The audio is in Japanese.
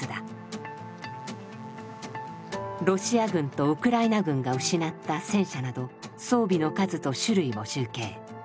ロシア軍とウクライナ軍が失った戦車など装備の数と種類を集計。